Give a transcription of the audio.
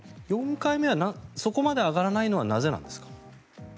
４回目はそこまで効果が上がらないのはなぜなんですか？